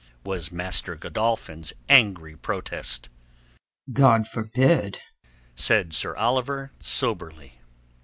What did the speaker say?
was Master Godolphin's angry protest. "God forbid!" said Sir Oliver soberly.